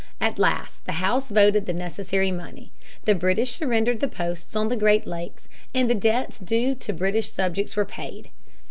At last the House voted the necessary money. The British surrendered the posts on the Great Lakes, and the debts due to British subjects were paid.